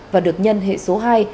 và được nhân hệ số hai